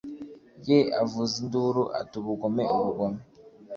ye avuza induru ati Ubugome Ubugome